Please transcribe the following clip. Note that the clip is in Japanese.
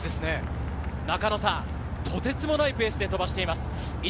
とてつもないペースで飛ばしています。